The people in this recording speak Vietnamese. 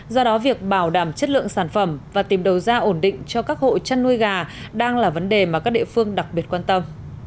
do đó việc bảo đảm chất lượng sản phẩm và tìm đầu ra ổn định cho các hộ chăn nuôi gà đang là vấn đề mà các địa phương đặc biệt quan tâm